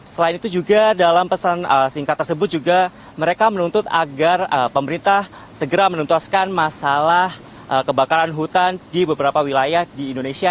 selain itu juga dalam pesan singkat tersebut juga mereka menuntut agar pemerintah segera menuntaskan masalah kebakaran hutan di beberapa wilayah di indonesia